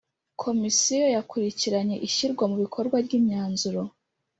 Komisiyo yakurikiranye ishyirwa mu bikorwa ry imyanzuro